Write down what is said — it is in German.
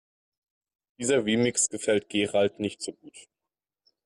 Dieser Remix gefällt Gerald nicht so gut.